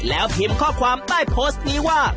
แล้วพิมพ์ข้อความใต้โพสต์นี้ว่า